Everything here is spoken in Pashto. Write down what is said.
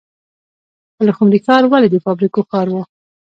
پلخمري ښار ولې د فابریکو ښار و؟